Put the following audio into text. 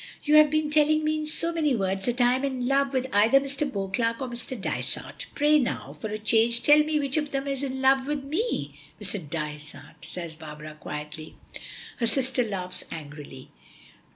"You have been telling me in so many words that I am in love with either Mr. Beauclerk or Mr. Dysart. Pray now, for a change, tell me which of them is in love with me." "Mr. Dysart," says Barbara quietly. Her sister laughs angrily.